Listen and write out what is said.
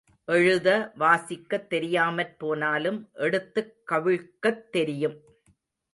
எழுத வாசிக்கத் தெரியாமற் போனாலும் எடுத்துக் கவிழ்க்கத் தெரியும்.